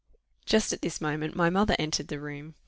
Just at this moment my mother entered the room.